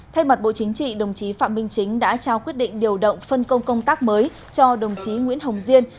thay mặt bộ chính trị đồng chí phạm minh chính đã trao quyết định điều động phân công công tác mới cho đồng chí nguyễn hồng diên